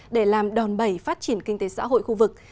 để làm đòn bẩy phát triển kinh tế xã hội khu vực